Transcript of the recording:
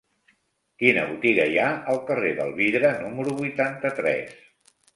Quina botiga hi ha al carrer del Vidre número vuitanta-tres?